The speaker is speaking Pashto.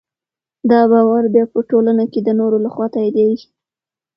دا باور بیا په ټولنه کې د نورو لخوا تاییدېږي.